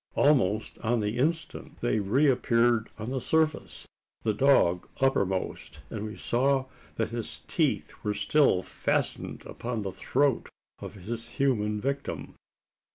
Almost on the instant they re appeared on the surface, the dog uppermost; and we saw that his teeth were still fastened upon the throat of his human victim!